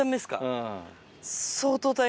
うん。